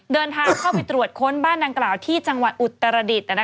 เดินทางเข้าไปตรวจค้นบ้านดังกล่าวที่จังหวัดอุตรดิษฐ์